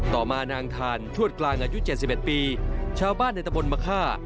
ต่อมานางทานทวดกลางอายุ๗๑ปีชาวบ้านในตะบนมะค่า